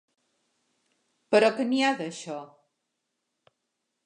Però què n'hi ha, d'això?